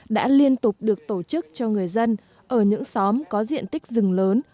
đã liên tục được tổ chức cho người dân ở những xóm có diện tích rừng lớn